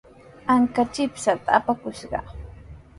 Anka chipshaata apakushqa.